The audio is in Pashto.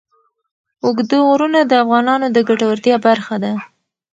اوږده غرونه د افغانانو د ګټورتیا برخه ده.